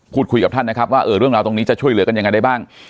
กับท่านนะครับว่าเรื่องราวตรงนี้จะช่วยเหลือกันยังไงได้บ้าง